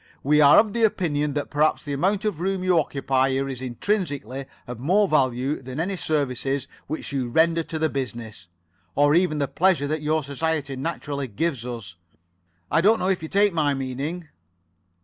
We are of the opinion that perhaps the amount of room you occupy here is intrinsically of more value than any services which you render to the business, or even the pleasure that your society naturally gives us. I don't know if you take my meaning."